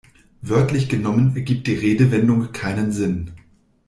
Wörtlich genommen ergibt die Redewendung keinen Sinn.